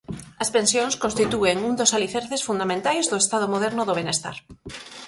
As pensións constitúen un dos alicerces fundamentais do Estado moderno do Benestar.